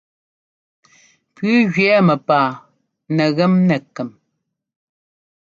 Pǔu jʉɛ́ mɛpaa nɛgem nɛ kɛm.